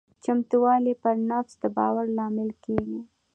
چمتووالی پر نفس د باور لامل کېږي.